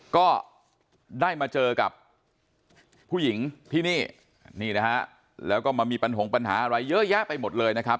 ก็ได้มาเจอกับผู้หญิงที่นี่นี่นะฮะแล้วก็มามีปัญหาอะไรเยอะแยะไปหมดเลยนะครับ